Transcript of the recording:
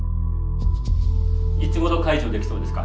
いつごろ解除できそうですか？